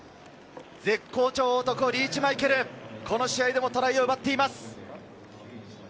絶好調男リーチ・マイケル、この試合でもトライを奪っています。